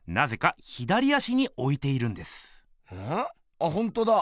あほんとだ。